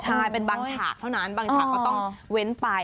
ใช่เป็นบางฉากเท่านั้นบางฉากก็ต้องเว้นไป